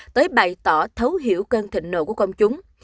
tới bày tỏ thấu hiểu cân thịnh nộ của công chúng